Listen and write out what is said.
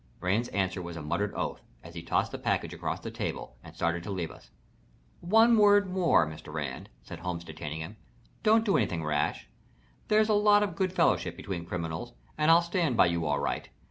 Rand's answer was a muttered oath as he tossed the package across the table and started to leave us. "One word more, Mr. Rand," said Holmes, detaining him. "Don't do anything rash. There's a lot of good fellowship between criminals, and I'll stand by you all right.